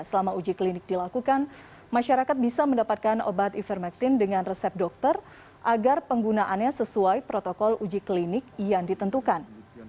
selama uji klinik dilakukan masyarakat bisa mendapatkan obat ivermectin dengan resep dokter agar penggunaannya sesuai protokol uji klinik yang ditentukan